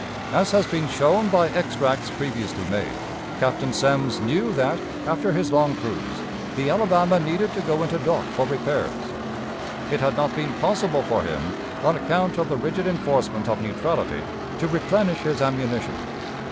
As has been shown by extracts previously made, Captain Semmes knew that, after his long cruise, the Alabama needed to go into dock for repairs. It had not been possible for him, on account of the rigid enforcement of "neutrality," to replenish his ammunition.